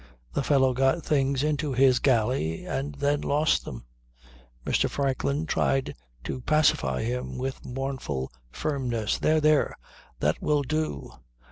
The fellow got things into his galley and then lost them. Mr. Franklin tried to pacify him with mournful firmness. "There, there! That will do.